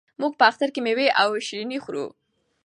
موږ په اختر کې مېوې او شیریني خورو.